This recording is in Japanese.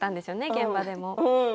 現場でもね。